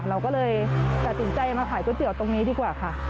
เราก็เลยตัดสินใจมาขายก๋วยเตี๋ยวตรงนี้ดีกว่าค่ะ